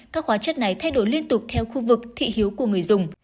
các hóa chất này thay đổi liên tục theo khu vực thị hiếu của người dùng